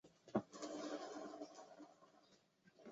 会稽郡余姚人。